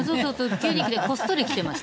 急に来て、こっそり来てました。